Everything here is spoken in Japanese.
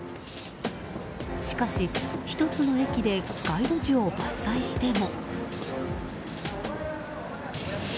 しかし、１つの駅で街路樹を伐採しても。